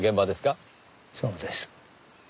そうです。